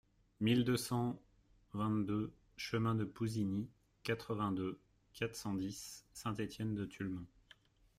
mille deux cent vingt-deux chemin de Pousinies, quatre-vingt-deux, quatre cent dix, Saint-Étienne-de-Tulmont